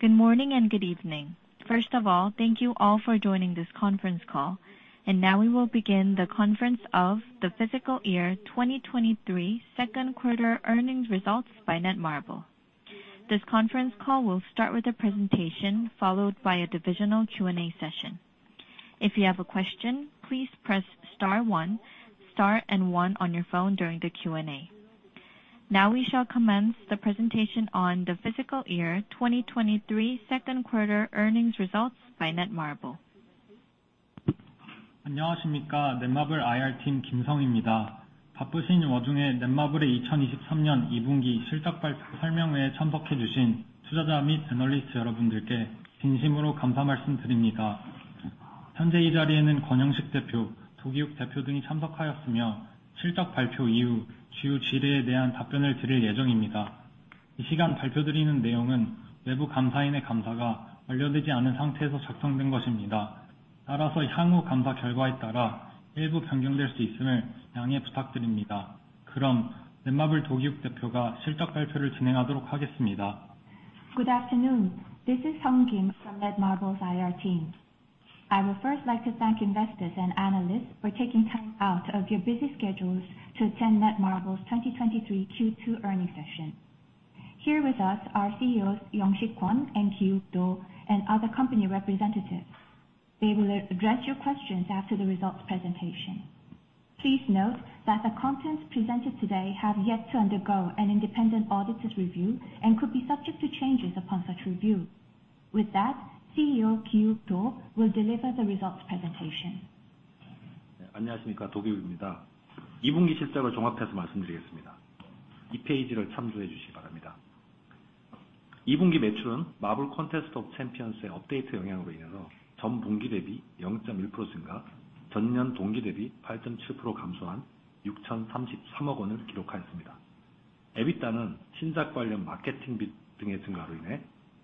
Good morning, and good evening. First of all, thank you all for joining this conference call, now we will begin the conference of the fiscal year 2023, second quarter earnings results by Netmarble. This conference call will start with a presentation, followed by a divisional Q&A session. If you have a question, please press star 1, star and 1 on your phone during the Q&A. Now, we shall commence the presentation on the fiscal year 2023, second quarter earnings results by Netmarble. Good afternoon, this is Hong Kim from Netmarble's IR team. I would first like to thank investors and analysts for taking time out of your busy schedules to attend Netmarble's 2023 Q2 earnings session. Here with us, are CEOs Young-Sig Kwon and Kiwook Do, and other company representatives. They will address your questions after the results presentation. Please note that the contents presented today have yet to undergo an independent auditor's review and could be subject to changes upon such review. With that, CEO Kiwook Do will deliver the results presentation.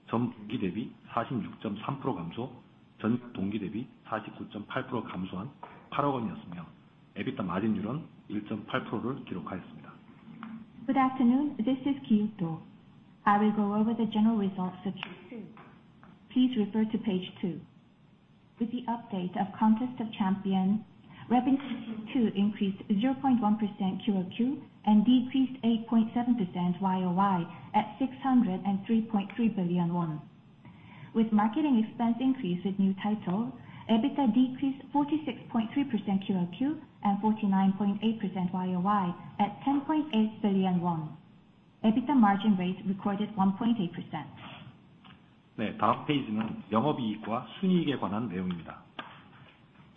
Good afternoon, this is Kiwook Do. I will go over the general results of Q2. Please refer to page 2. With the update of Contest of Champions, revenue Q2 increased 0.1% QOQ, and decreased 8.7% YOY at 603.3 billion won. With marketing expense increase with new title, EBITDA decreased 46.3% QOQ and 49.8% YOY at 10.8 billion won. EBITDA margin rate recorded 1.8%. Good afternoon, this is Kiwook Do. I will go over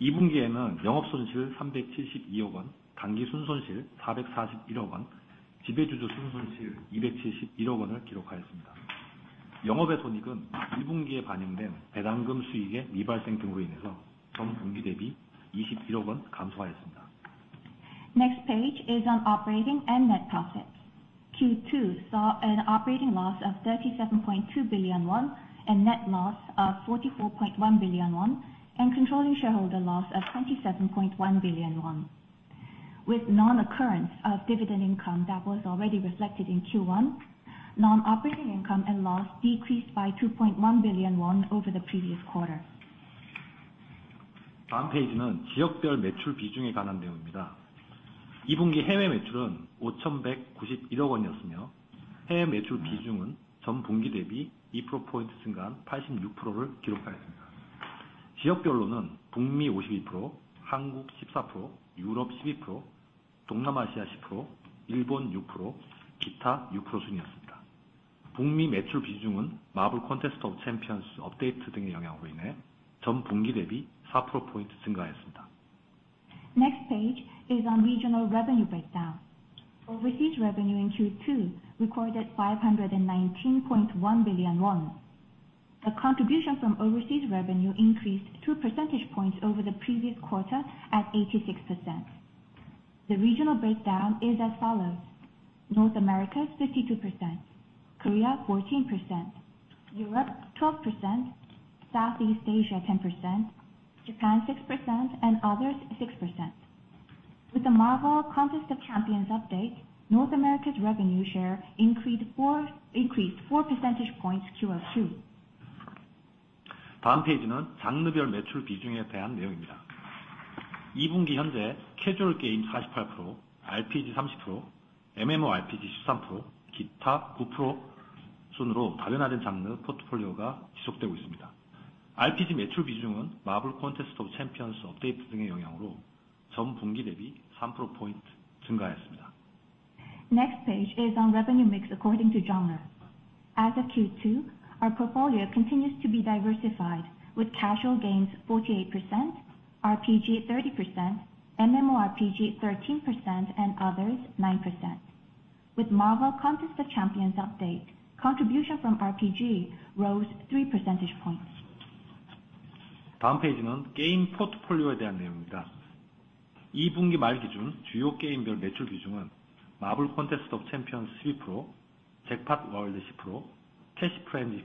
the general results of Q2. Please refer to page 2. With the update of Contest of Champions, revenue Q2 increased 0.1% QOQ, and decreased 8.7% YOY at KRW 603.3 billion. With marketing expense increase with new title, EBITDA decreased 46.3% QOQ, and 49.8% YOY at KRW 10.8 billion. EBITDA margin rate recorded 1.8%. Next page is on operating and net profits. Q2 saw an operating loss of 37.2 billion won, and net loss of 44.1 billion won, and controlling shareholder loss of 27.1 billion won. With non-occurrence of dividend income that was already reflected in Q1, non-operating income and loss decreased by KRW 2.1 billion over the previous quarter. Next page is on regional revenue breakdown. Overseas revenue in Q2 recorded 519.1 billion won. The contribution from overseas revenue increased 2 percentage points over the previous quarter at 86%. The regional breakdown is as follows: North America, 52%; Korea, 14%; Europe, 12%; Southeast Asia, 10%; Japan, 6%; and others, 6%. With the Marvel Contest of Champions update, North America's revenue share increased 4, increased 4 percentage points QOQ. Next page is on revenue mix according to genre. As of Q2, our portfolio continues to be diversified with casual games 48%, RPG 30%, MMORPG 13%, and others 9%. With Marvel Contest of Champions update, contribution from RPG rose 3 percentage points. Next page is on game portfolio.... Following page is on game portfolio. As of Q2 end, Marvel Contest of Champions accounted for 12%, Jackpot World 10%, Cash Frenzy 9%,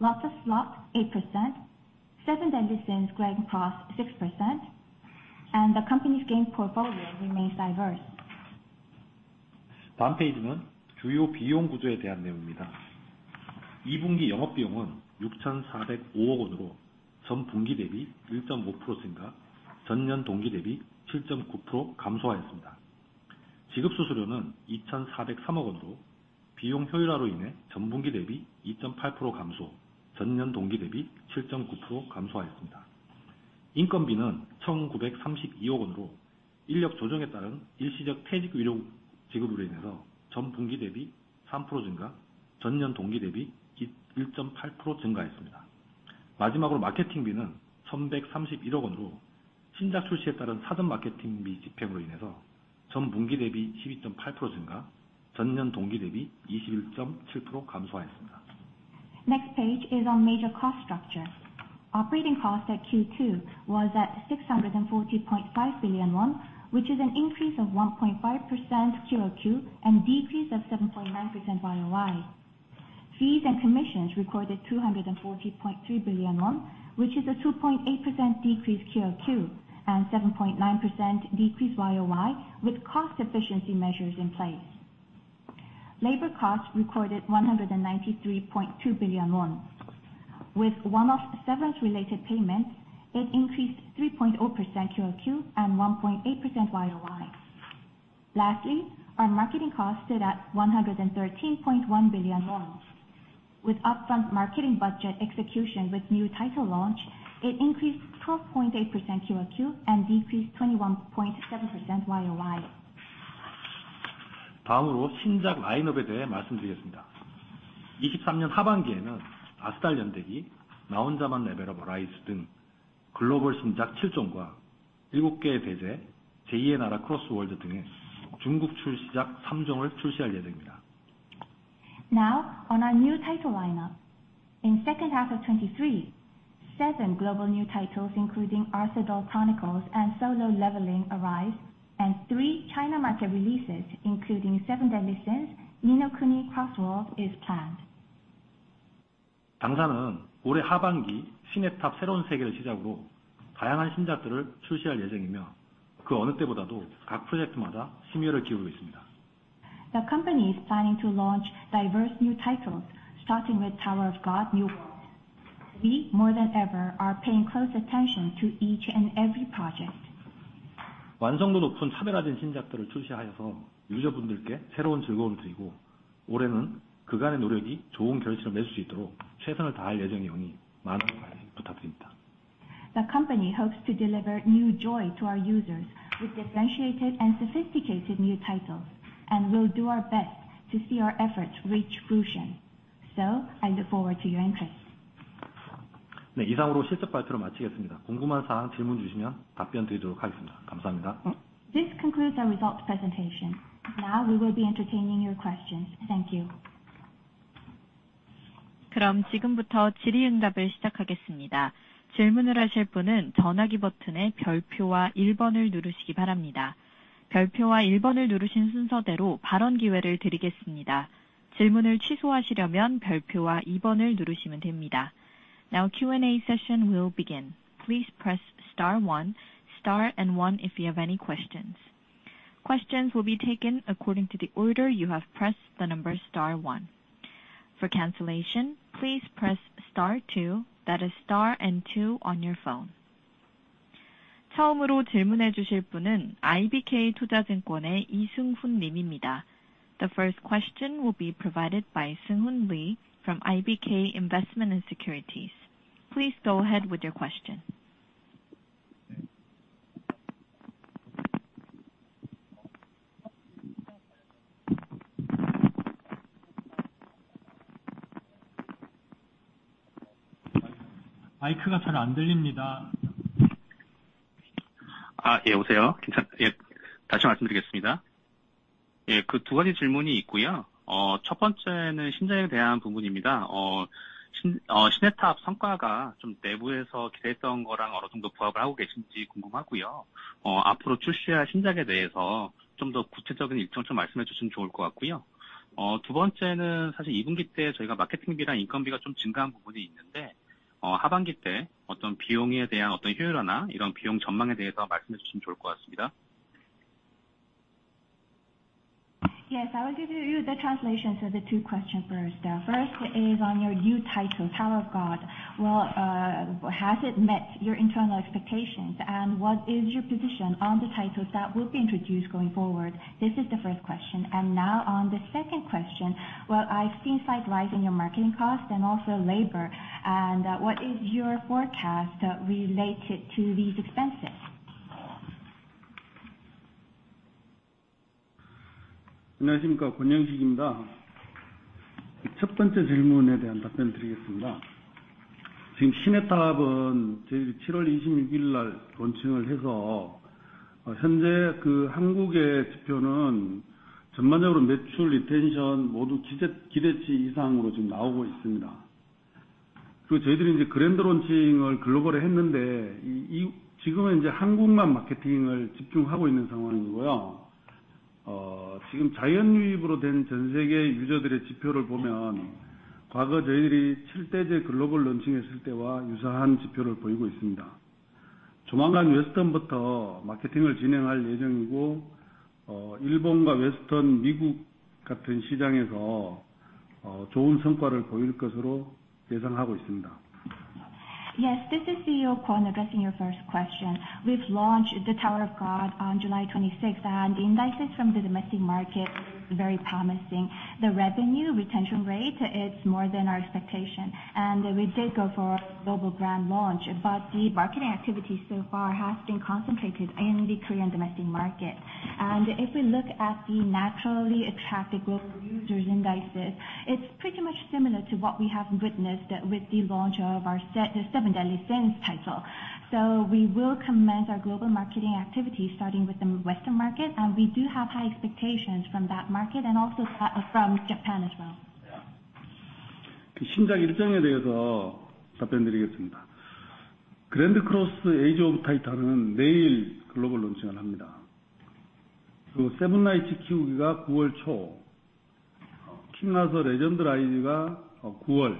Lotsa Slots 8%, Seven Deadly Sins Grand Cross 6%, The company's game portfolio remains diverse. Next page is on major cost structure. Operating cost at Q2 was at KRW 640.5 billion, which is an increase of 1.5% QOQ and decrease of 7.9% YOY. Fees and commissions recorded 240.3 billion won, which is a 2.8% decrease QOQ, and 7.9% decrease YOY, with cost efficiency measures in place. Labor costs recorded 193.2 billion won. With one-off severance-related payments, it increased 3.0% QOQ and 1.8% YOY. Lastly, our marketing costs stood at KRW 113.1 billion. With upfront marketing budget execution with new title launch, it increased 12.8% QOQ and decreased 21.7% YOY. Now, on our new title lineup. In second half of 2023, seven global new titles, including Arthdal Chronicles and Solo Leveling: Arise, and three China market releases, including Seven Deadly Sins, Ni no Kuni Cross Worlds is planned. The company is planning to launch diverse new titles, starting with Tower of God: New World. We, more than ever, are paying close attention to each and every project. The company hopes to deliver new joy to our users with differentiated and sophisticated new titles, and we'll do our best to see our efforts reach fruition. I look forward to your interest. This concludes our results presentation. Now we will be entertaining your questions. Thank you. Now Q&A session will begin. Please press star one, star and one if you have any questions. Questions will be taken according to the order you have pressed the number star one. For cancellation, please press star two, that is star and two on your phone. The first question will be provided by Seung Hoon Lee from IBK Investment & Securities. Please go ahead with your question. Yes, I will give you the translation to the two questions first. First is on your new title, Tower of God. Well, has it met your internal expectations? What is your position on the titles that will be introduced going forward? This is the first question, and now on the second question, well, I've seen slight rise in your marketing costs and also labor, and what is your forecast related to these expenses? Hello, this is Kwon Young-sik. 현재 그 Korea의 지표는 전반적으로 매출 리텐션 모두 기대치 이상으로 지금 나오고 있습니다. 저희들이 이제 grand launch를 global을 했는데, 지금은 이제 Korea만 마케팅을 집중하고 있는 상황이고요. 지금 자연 유입으로 된전 세계 유저들의 지표를 보면, 과거 저희들이 칠대죄 global launch했을 때와 유사한 지표를 보이고 있습니다. 조만간 Western부터 마케팅을 진행할 예정이고, Japan과 Western, U.S. 같은 시장에서 좋은 성과를 보일 것으로 예상하고 있습니다. Yes, this is CEO Kwon addressing your first question. We've launched the Tower of God on July 26th. Indices from the domestic market very promising. The revenue retention rate is more than our expectation. We did go for a global brand launch, but the marketing activity so far has been concentrated in the Korean domestic market. If we look at the naturally attracted global users indices, it's pretty much similar to what we have witnessed with the launch of our the Seven Deadly Sins title. We will commence our global marketing activity, starting with the Western market, and we do have high expectations from that market and also, from Japan as well. 신작 일정에 대해서 답변드리겠습니다. GRAND CROSS: Age of Titans는 내일 글로벌 론칭을 합니다. 그 Seven Knights Idle Adventure가 9월 초, King Arthur: Legends Rise가 9월,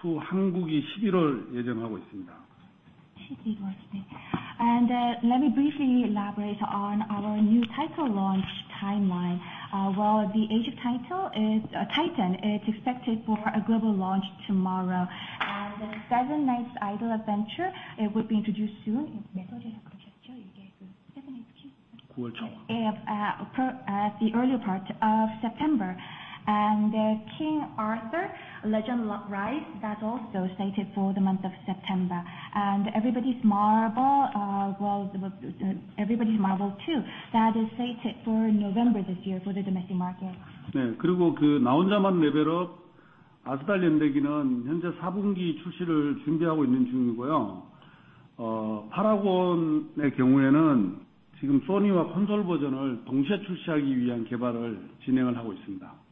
Everybody's Marble 2 한국이 11월 예정하고 있습니다. Let me briefly elaborate on our new title launch timeline. Well, the Age of Titan is expected for a global launch tomorrow. The Seven Knights Idle Adventure, it will be introduced soon, the earlier part of September. King Arthur: Legend Rise, that's also slated for the month of September. Everybody's Marble, well, the Everybody's Marble 2, that is slated for November this year for the domestic market. 나 혼자만 레벨업: 아스달 연대기는 현재 4분기 출시를 준비하고 있는 중이고요. 파라곤의 경우에는 지금 Sony와 콘솔 버전을 동시에 출시하기 위한 개발을 진행을 하고 있습니다. Solo Leveling: Arise and Arthdal Chronicles, we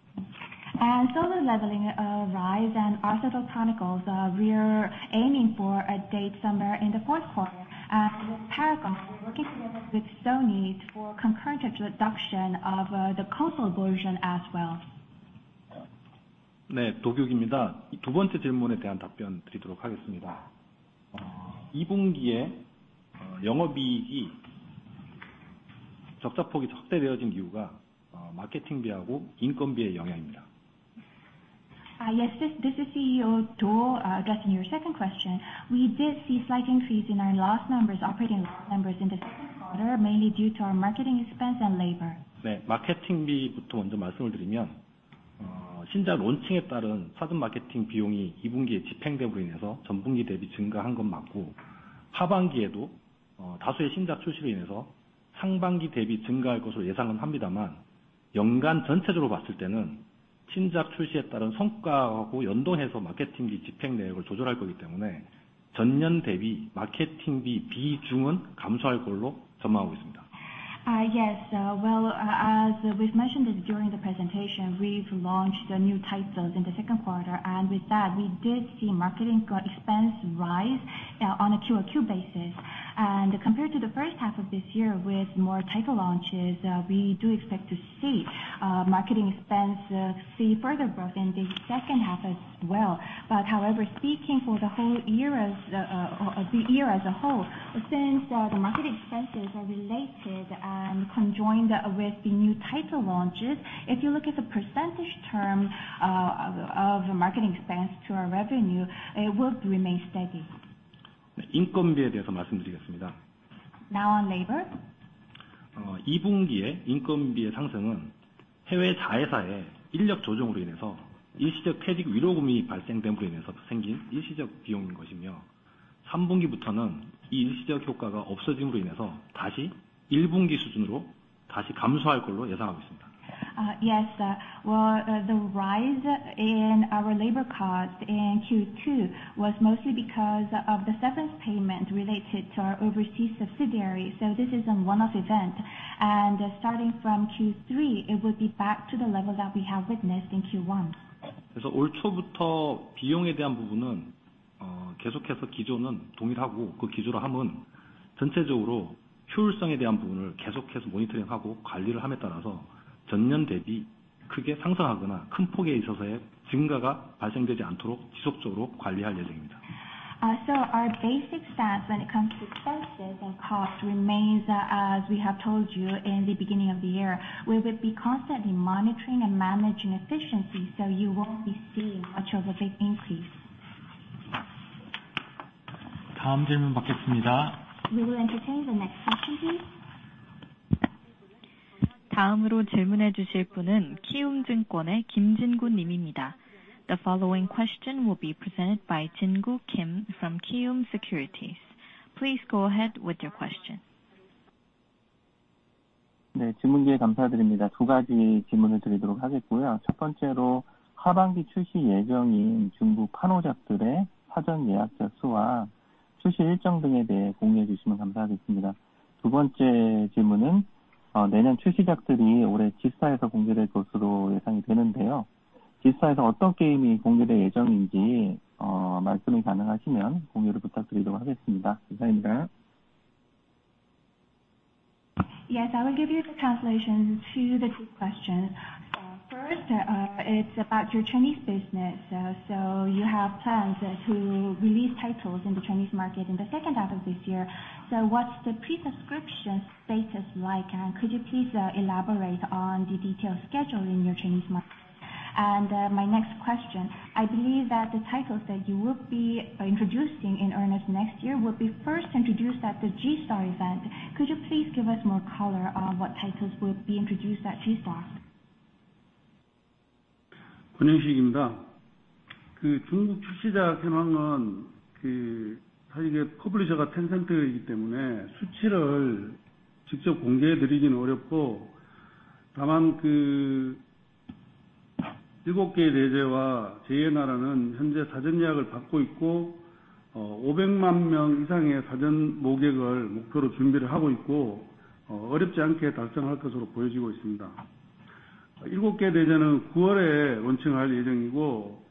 are aiming for a date somewhere in the fourth quarter. Paragon, we're working together with Sony for concurrent introduction of the console version as well. 네, 도기욱입니다. 이두 번째 질문에 대한 답변 드리도록 하겠습니다. 이 분기에, 영업이익이 적자폭이 확대되어진 이유가, 마케팅비하고 인건비의 영향입니다. Yes, this is CEO Do addressing your second question. We did see slight increase in our loss numbers, operating loss numbers in the second quarter, mainly due to our marketing expense and labor. 네, 마케팅비부터 먼저 말씀을 드리면, 신작 론칭에 따른 사전 마케팅 비용이 이 분기에 집행됨으로 인해서 전 분기 대비 증가한 건 맞고, 하반기에도, 다수의 신작 출시로 인해서 상반기 대비 증가할 것으로 예상은 합니다만, 연간 전체적으로 봤을 때는 신작 출시에 따른 성과하고 연동해서 마케팅비 집행 내역을 조절할 거기 때문에, 전년 대비 마케팅비 비중은 감소할 걸로 전망하고 있습니다. Yes, well, as we've mentioned this during the presentation, we've launched the new titles in the second quarter, and with that, we did see marketing co- expense rise on a QOQ basis. Compared to the first half of this year, with more title launches, we do expect to see marketing expense see further growth in the second half as well. However, speaking for the whole year as the year as a whole, since the marketing expenses are related and conjoined with the new title launches, if you look at the percentage term of the marketing expense to our revenue, it would remain steady. Yes, I will speak regarding labor costs. Now, on labor. 어, 이 분기에 인건비의 상승은 해외 자회사의 인력 조정으로 인해서 일시적 퇴직 위로금이 발생됨으로 인해서 생긴 일시적 비용인 것이며, 삼 분기부터는 이 일시적 효과가 없어짐으로 인해서 다시 일 분기 수준으로 다시 감소할 걸로 예상하고 있습니다. Yes, well, the rise in our labor cost in Q2 was mostly because of the severance payment related to our overseas subsidiaries, so this is a one-off event. Starting from Q3, it would be back to the level that we have witnessed in Q1. 올 초부터 비용에 대한 부분은, 계속해서 기조는 동일하고, 그 기조라 함은 전체적으로 효율성에 대한 부분을 계속해서 모니터링하고 관리를 함에 따라서 전년 대비 크게 상승하거나 큰 폭에 있어서의 증가가 발생되지 않도록 지속적으로 관리할 예정입니다. Our basic stance when it comes to expenses and costs remains as we have told you in the beginning of the year, we will be constantly monitoring and managing efficiency, so you won't be seeing much of a big increase. 다음 질문 받겠습니다. We will entertain the next question, please. 다음으로 질문해 주실 분은 키움증권의 김진구 님입니다. The following question will be presented by Jin-gu Kim from Kiwoom Securities. Please go ahead with your question. Ne, 질문기에 감사드립니다. 두 가지 질문을 드리도록 하겠고요. 첫 번째로, 하반기 출시 예정인 중국 판호작들의 사전 예약자 수와 출시 일정 등에 대해 공유해 주시면 감사하겠습니다. 두 번째 질문은, 내년 출시작들이 올해 G-Star에서 공개될 것으로 예상이 되는데요. G-Star에서 어떤 게임이 공개될 예정인지, 말씀이 가능하시면 공유를 부탁드리도록 하겠습니다. 감사합니다. Yes, I will give you the translation to the two questions. First, it's about your Chinese business. You have plans to release titles in the Chinese market in the second half of this year. What's the pre-subscription status like? Could you please elaborate on the detailed schedule in your Chinese market? My next question: I believe that the titles that you will be introducing in earnest next year will be first introduced at the G-Star event. Could you please give us more color on what titles will be introduced at G-Star? Kwon Young-sik입니다. 중국 출시자 상황은 사실 이게 publisher가 Tencent이기 때문에 수치를 직접 공개해 드리기는 어렵고, 다만 일곱 개의 대죄와 제2의 나라는 현재 사전 예약을 받고 있고, 500만 명 이상의 사전 모객을 목표로 준비를 하고 있고, 어렵지 않게 달성할 것으로 보여지고 있습니다. 일곱 개의 대죄는 September에 론칭할 예정이고,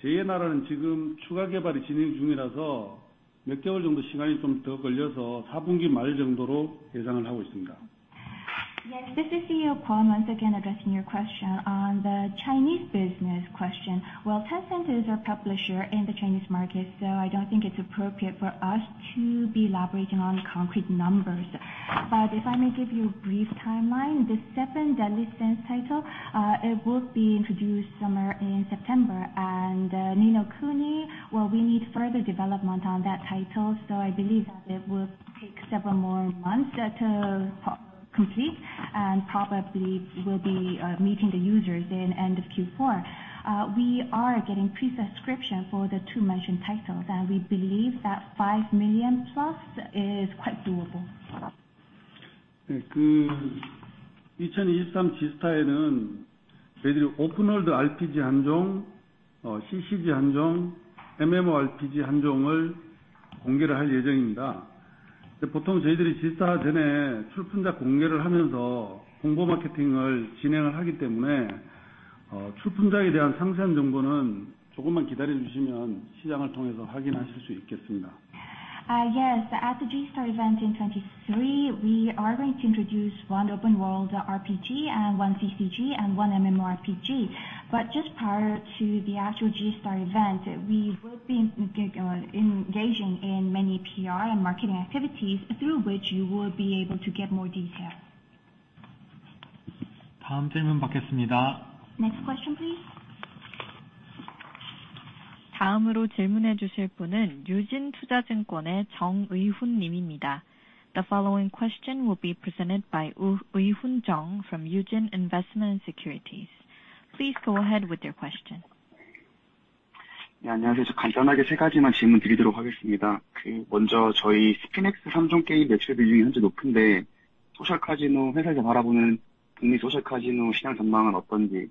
제2의 나라는 지금 추가 개발이 진행 중이라서 몇 개월 정도 시간이 좀더 걸려서 Q4 말 정도로 예상을 하고 있습니다. Yes, this is CEO Kwon, once again, addressing your question on the Chinese business question. Well, Tencent is our publisher in the Chinese market, I don't think it's appropriate for us to be elaborating on concrete numbers. If I may give you a brief timeline, the Seven Deadly Sins title, it will be introduced somewhere in September. Ni no Kuni, well, we need further development on that title, I believe that it will take several more months to co-complete, probably will be meeting the users in end of Q4. We are getting pre-subscription for the two mentioned titles, we believe that 5 million+ is quite doable. 2023 G-Star에는 저희들이 오픈월드 RPG 1 종, CCG 1 종, MMORPG 1 종을 공개를 할 예정입니다. 이제 보통 저희들이 G-Star 전에 출품자 공개를 하면서 홍보 마케팅을 진행을 하기 때문에, 출품작에 대한 상세한 정보는 조금만 기다려 주시면 시장을 통해서 확인하실 수 있겠습니다. Yes. At the G-Star event in 2023, we are going to introduce one open world, RPG, and one CCG, and one MMORPG. Just prior to the actual G-Star event, we will be engaging in many PR and marketing activities through which you will be able to get more detail. 다음 질문 받겠습니다. Next question, please. 다음으로 질문해 주실 분은 유진투자증권의 정의훈님입니다. The following question will be presented by Eui-hoon Jung from Eugene Investment & Securities. Please go ahead with your question. 네, 안녕하세요. 저 간단하게 3가지만 질문드리도록 하겠습니다. 먼저 저희 SpinX 3종 게임 매출 비중이 현재 높은데, 소셜 카지노 회사에서 바라보는 북미 소셜 카지노 시장 전망은 어떤지?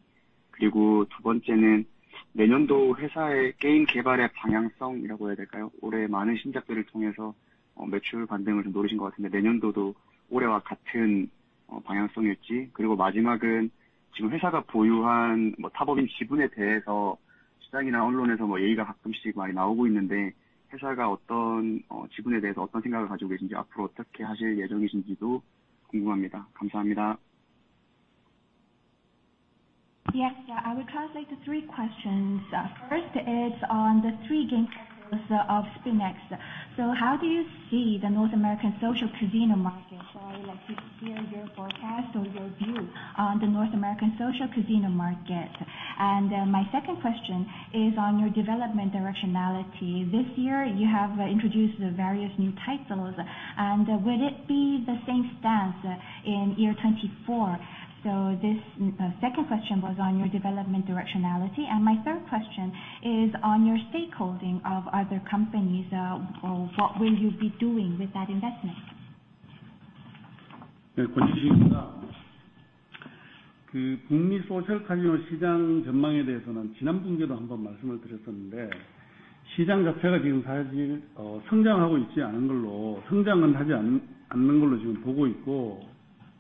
두 번째는 내년도 회사의 게임 개발의 방향성이라고 해야 될까요? 올해 많은 신작들을 통해서 매출 반등을 좀 노리신 것 같은데, 내년도도 올해와 같은 방향성일지, 마지막은 지금 회사가 보유한, 뭐, 타 법인 지분에 대해서 시장이나 언론에서 뭐, 얘기가 가끔씩 많이 나오고 있는데, 회사가 어떤 지분에 대해서 어떤 생각을 가지고 계신지, 앞으로 어떻게 하실 예정이신지도 궁금합니다. 감사합니다. Yes. Yeah, I will translate the three questions. First is on the three game titles of SpinX. How do you see the North American social casino market? I would like to hear your forecast or your view on the North American social casino market. My second question is on your development directionality. This year, you have introduced the various new titles, and would it be the same stance in year 2024? This second question was on your development directionality, and my third question is on your stakeholding of other companies. Well, what will you be doing with that investment? 네, 권영식입니다. 그 북미 소셜 카지노 시장 전망에 대해서는 지난 분기도 한번 말씀을 드렸었는데, 시장 자체가 지금 사실, 어, 성장하고 있지 않은 걸로, 성장은 하지 않- 않는 걸로 지금 보고 있고,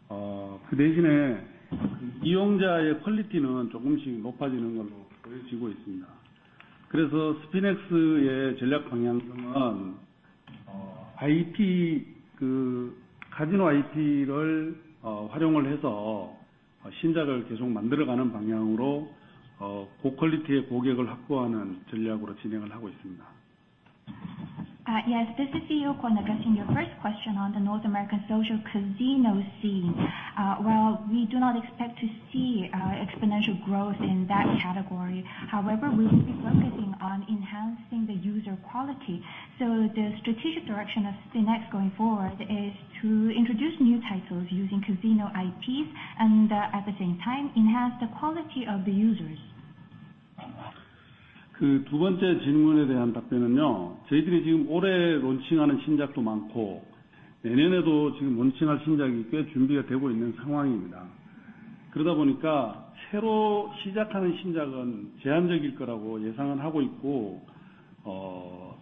어, 그 대신에 이용자의 퀄리티는 조금씩 높아지는 걸로 보여지고 있습니다. 그래서 SpinX의 전략 방향성은, 어, IT, 그 카지노 IT를, 어, 활용을 해서, 어, 신작을 계속 만들어가는 방향으로, 어, 고 퀄리티의 고객을 확보하는 전략으로 진행을 하고 있습니다. Yes, this is CEO Kwon addressing your first question on the North American social casino scene. Well, we do not expect to see exponential growth in that category. However, we will be focusing on enhancing the user quality. The strategic direction of SpinX going forward is to introduce new titles using casino ITs, and at the same time, enhance the quality of the users.... 그두 번째 질문에 대한 답변은요. 저희들이 지금 올해 론칭하는 신작도 많고, 내년에도 지금 론칭할 신작이 꽤 준비가 되고 있는 상황입니다. 그러다 보니까 새로 시작하는 신작은 제한적일 거라고 예상은 하고 있고,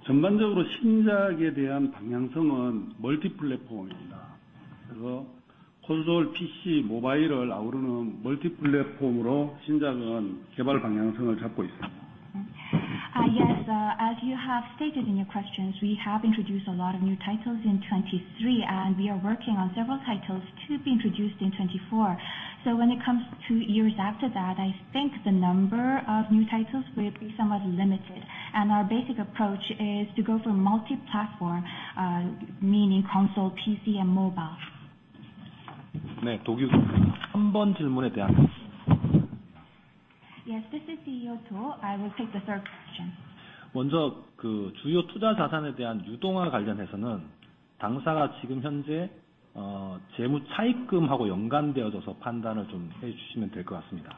전반적으로 신작에 대한 방향성은 멀티 플랫폼입니다. 그래서 콘솔, 피씨, 모바일을 아우르는 멀티 플랫폼으로 신작은 개발 방향성을 잡고 있습니다. Yes, as you have stated in your questions, we have introduced a lot of new titles in 2023, and we are working on several titles to be introduced in 2024. When it comes to years after that, I think the number of new titles will be somewhat limited, and our basic approach is to go for multi-platform, meaning console, PC and mobile. 네, 도규석 본부장님, 한번 질문에 대한 답변 부탁드립니다. Yes, this is CEO Cho. I will take the third question. 먼저, 그 주요 투자 자산에 대한 유동화와 관련해서는 당사가 지금 현재, 재무 차입금하고 연관되어져서 판단을 좀해 주시면 될것 같습니다.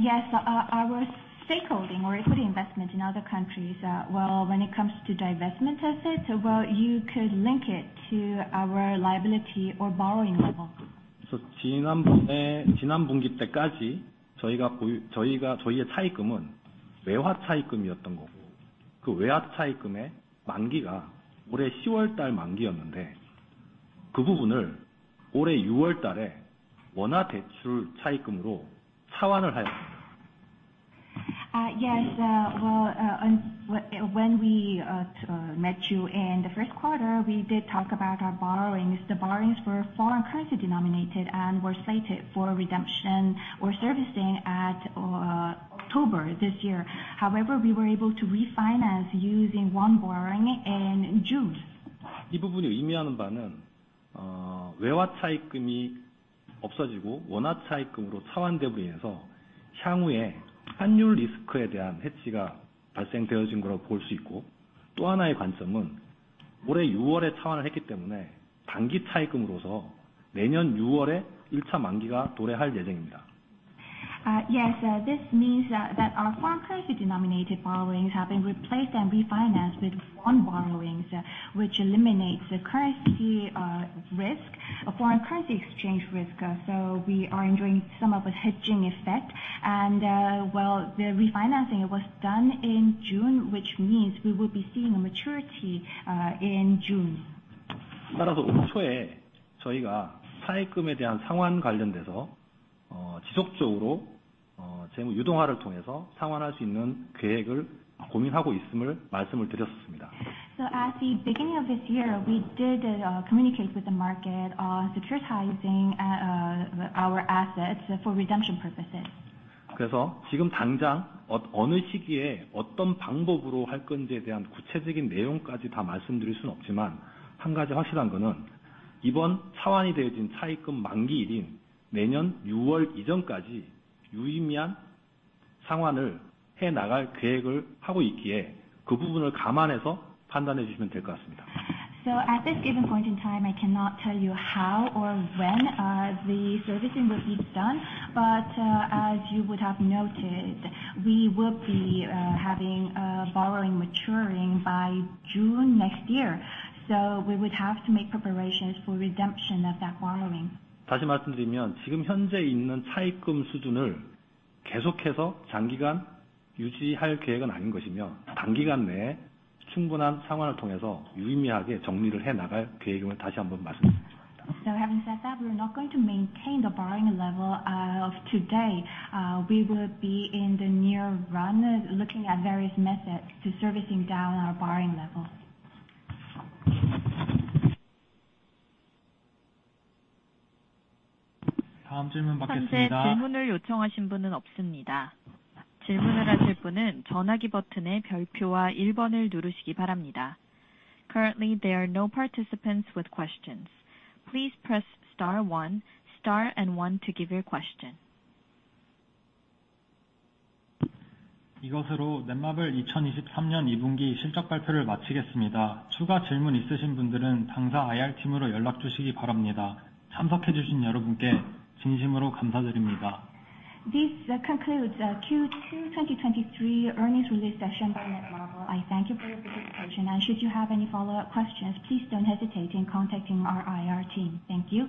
Yes. Our, our stakeholding or equity investment in other countries, well, when it comes to divestment assets, well, you could link it to our liability or borrowing level. 지난번에, 지난 분기 때까지 저희의 차입금은 외화 차입금이었던 거고, 그 외화 차입금의 만기가 올해 October 만기였는데, 그 부분을 올해 June에 원화 대출 차입금으로 차환을 하였습니다. Yes, well, when we met you in the first quarter, we did talk about our borrowings. The borrowings were foreign currency denominated and were slated for redemption or servicing at October this year. However, we were able to refinance using 1 borrowing in June. 이 부분이 의미하는 바는, 외화 차입금이 없어지고 원화 차입금으로 차환됨으로 인해서 향후에 환율 리스크에 대한 헷지가 발생되어진 걸로 볼수 있고, 또 하나의 관점은 올해 유월에 차환을 했기 때문에 단기 차입금으로서 내년 유월에 일차 만기가 도래할 예정입니다. Yes, this means that, that our foreign currency denominated borrowings have been replaced and refinanced with foreign borrowings, which eliminates the currency risk, a foreign currency exchange risk. We are enjoying some of the hedging effect. Well, the refinancing was done in June, which means we will be seeing a maturity in June. 따라서 올 초에 저희가 차입금에 대한 상환 관련돼서, 어, 지속적으로, 어, 재무 유동화를 통해서 상환할 수 있는 계획을 고민하고 있음을 말씀을 드렸었습니다. At the beginning of this year, we did communicate with the market on securitizing our assets for redemption purposes. 지금 당장 어느 시기에, 어떤 방법으로 할 건지에 대한 구체적인 내용까지 다 말씀드릴 수는 없지만, 한 가지 확실한 거는 이번 차환이 되어진 차입금 만기일인 내년 유월 이전까지 유의미한 상환을 해 나갈 계획을 하고 있기에, 그 부분을 감안해서 판단해 주시면 될것 같습니다. At this given point in time, I cannot tell you how or when the servicing will be done. As you would have noted, we will be having borrowing maturing by June next year, so we would have to make preparations for redemption of that borrowing. 다시 말씀드리면, 지금 현재 있는 차입금 수준을 계속해서 장기간 유지할 계획은 아닌 것이며, 단기간 내에 충분한 상환을 통해서 유의미하게 정리를 해 나갈 계획임을 다시 한번 말씀드립니다. Having said that, we are not going to maintain the borrowing level of today. We will be in the near run, looking at various methods to servicing down our borrowing level. 다음 질문 받겠습니다. 현재 질문을 요청하신 분은 없습니다. 질문을 하실 분은 전화기 버튼의 별표와 1번을 누르시기 바랍니다. Currently, there are no participants with questions. Please press star 1, star and 1 to give your question. 이것으로 Netmarble 2023 2Q 실적 발표를 마치겠습니다. 추가 질문 있으신 분들은 당사 IR team으로 연락 주시기 바랍니다. 참석해 주신 여러분께 진심으로 감사드립니다. This concludes Q2 2023 earnings release session by Netmarble. I thank you for your participation, and should you have any follow-up questions, please don't hesitate in contacting our IR team. Thank you!